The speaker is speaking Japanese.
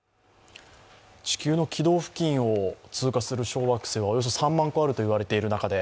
地球の軌道付近を通過する小惑星はおよそ３万個あると言われている中で